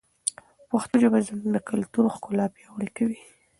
پښتو ژبه زموږ د کلتور ښکلا پیاوړې کوي.